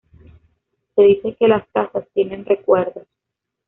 Se dice que las casas tienen recuerdos.